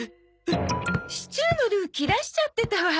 シチューのルー切らしちゃってたわ。